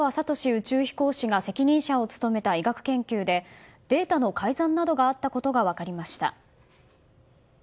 宇宙飛行士が責任者を務めた医学研究でデータの改ざんなどがあったことが分かりました。